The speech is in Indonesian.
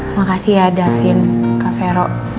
makasih ya davin kak vero